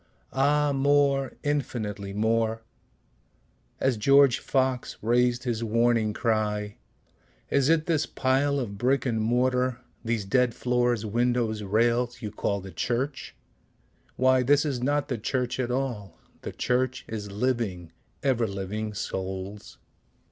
Ah more, infinitely more; (As George Fox rais'd his warning cry, "Is it this pile of brick and mortar, these dead floors, windows, rails, you call the church? Why this is not the church at all the church is living, ever living souls.")